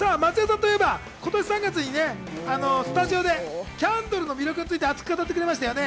松也さんといえば今年３月にスタジオでキャンドルの魅力について熱く語ってくれましたよね。